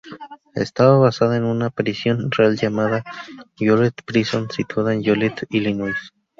Está basada en una prisión real llamada Joliet Prison, situada en Joliet Illinois.